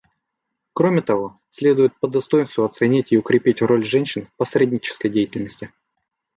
Кроме того, следует по достоинству оценить и укрепить роль женщин в посреднической деятельности.